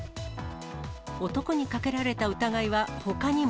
男にかけられた疑いはほかにも。